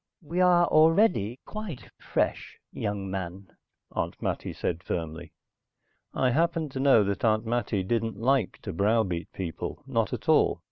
"We are already quite fresh, young man," Aunt Mattie said firmly. I happened to know that Aunt Mattie didn't like to browbeat people, not at all.